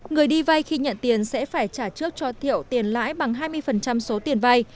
người đi vay khi nhận tiền sẽ phải trả trước cho thiệu tiền lãi bằng hai mươi số tiền vay